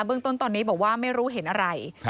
เรื่องต้นตอนนี้บอกว่าไม่รู้เห็นอะไร